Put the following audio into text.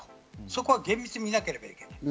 そこは厳密に見なきゃいけないと。